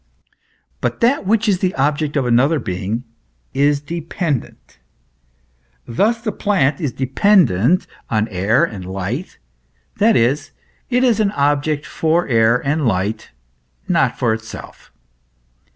But that which is the object of another being is dependent. Thus the plant is dependent on air and light, that is, it is an object for air and light, not for itself.